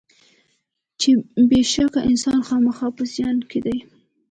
چې بېشکه انسان خامخا په زیان کې دی.